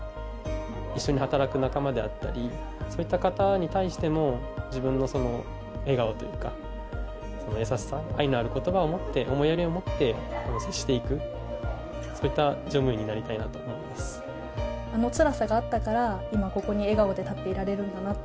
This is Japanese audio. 一緒に働く仲間であったり、そういった方に対しても、自分の笑顔というか、優しさ、愛のあることばを持って、思いやりを持って接していく、そういっあのつらさがあったから、今ここに笑顔で立っていられるんだなと。